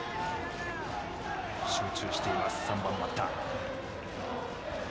集中しています、３番バッター。